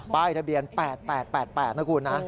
ป้ายทะเบียน๘๘๘๘นะครับคุณนะ